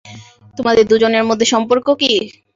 তোমাদের দুজনের মধ্য সম্পর্ক কী?